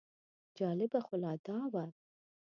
جالبه خو لا دا وه.